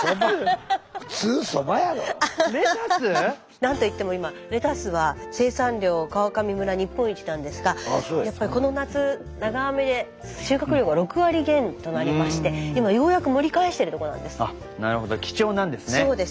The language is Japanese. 何といっても今レタスは生産量川上村日本一なんですがやっぱりこの夏長雨で収穫量が６割減となりまして今ようやく盛り返してるとこなんです。